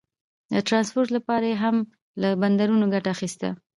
د ټرانسپورټ لپاره یې هم له بندرونو ګټه اخیسته.